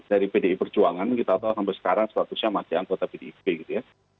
dan juga dia adalah anggota perjuangan kita tahu sampai sekarang sepatutnya masih anggota pdip gitu ya